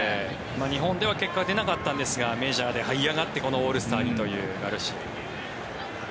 日本では結果は出なかったんですがメジャーではい上がってこのオールスターにというガルシア。